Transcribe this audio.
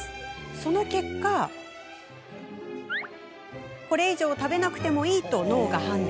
その結果これ以上、食べなくてもいいと脳が判断。